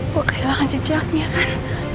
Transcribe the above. gue kehilangan jejaknya kan